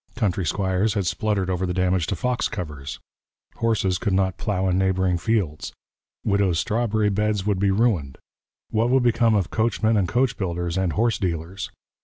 Country squires had spluttered over the damage to fox covers. Horses could not plough in neighbouring fields. Widows' strawberry beds would be ruined. What would become of coachmen and coach builders and horse dealers?